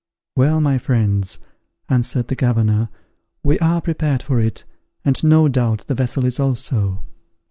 "Well, my friends," answered the governor, "we are prepared for it, and no doubt the vessel is also."